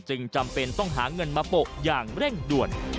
จำเป็นต้องหาเงินมาโปะอย่างเร่งด่วน